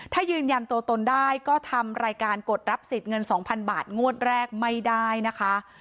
ถ้ายืนยันตัวตนได้ก็ทำรายการกดรับสิทธิ์เงิน๒๐๐๐บาทงวดแรกไม่ได้นะคะ